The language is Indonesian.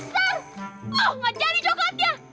padahal wah gak jadi coklatnya